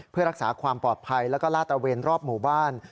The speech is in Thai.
เพื่อรักษาความปลอดภัยแล้วก็ลาดตระเวนรอบหมู่บ้าน